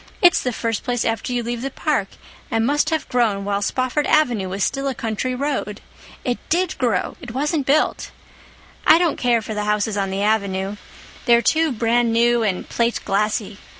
It's the first place after you leave the park, and must have grown while Spofford Avenue was still a country road. It did grow—it wasn't built! I don't care for the houses on the Avenue. They're too brand new and plateglassy.